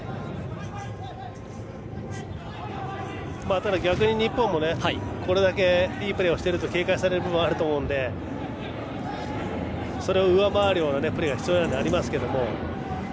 ただ逆に日本もこれだけいいプレーをしていると警戒される部分があると思うのでそれを上回るようなプレーが必要なのですが。